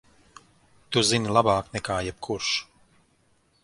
Tu zini labāk nekā jebkurš!